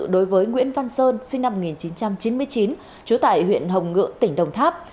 đối với nguyễn văn sơn sinh năm một nghìn chín trăm chín mươi chín trú tại huyện hồng ngự tỉnh đồng tháp